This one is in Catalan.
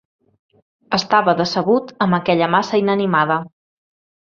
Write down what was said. Estava decebut amb aquella massa inanimada.